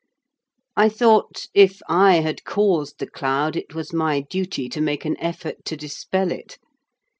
I thought, if I had caused the cloud, it was my duty to make an effort to dispel it.